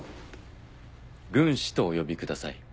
軍師とお呼びください。